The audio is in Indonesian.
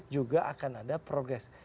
juga akan ada progress